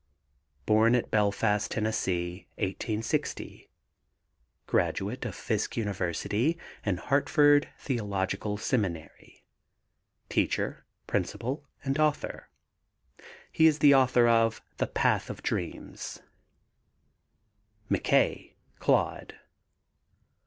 Born at Belfast, Tenn., 1860. Graduate of Fisk University and Hartford Theological Seminary, teacher, principal and author. He is the author of The Path of Dreams. McKAY, CLAUDE.